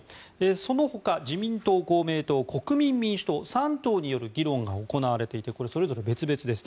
そのほか自民党、公明党、国民民主党３党による議論が行われていてそれぞれ別々です。